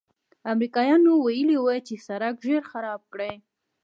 امریکایانو ویلي و چې سړک ژر خراب کړي.